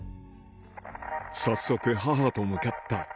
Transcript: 早速、母と向かった。